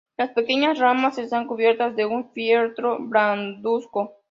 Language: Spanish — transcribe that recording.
Las pequeñas ramas están cubiertas de un fieltro blancuzco.